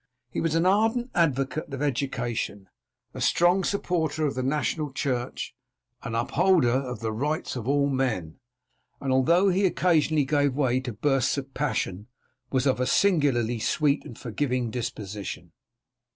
He was an ardent advocate of education, a strong supporter of the national church, an upholder of the rights of all men, and although he occasionally gave way to bursts of passion, was of a singularly sweet and forgiving disposition.